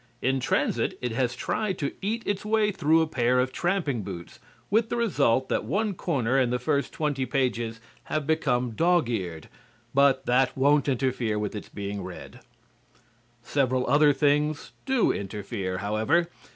In transit it has tried to eat its way through a pair of tramping boots, with the result that one corner and the first twenty pages have become dog eared, but that won't interfere with its being read. Several other things do interfere, however.